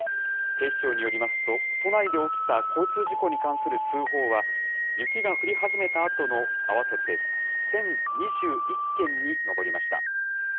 警視庁によりますと、都内で起きた交通事故に関する通報は、雪が降り始めたあとの合わせて１０２１件に上りました。